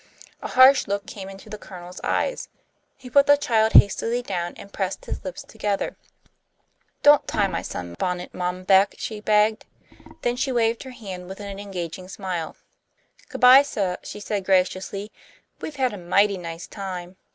A harsh look came into the Colonel's eyes. He put the child hastily down, and pressed his lips together. "Don't tie my sunbonnet, Mom Beck," she begged. Then she waved her hand with an engaging smile. "Good bye, suh," she said, graciously. "We've had a mighty nice time!"